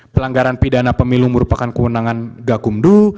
pelanggaran pidana pemilu merupakan kewenangan gakumdu